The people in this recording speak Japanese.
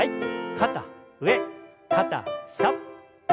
肩上肩下。